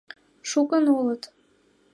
Шукын улыт?